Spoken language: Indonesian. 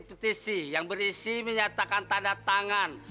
petisi yang berisi menyatakan tanda tangan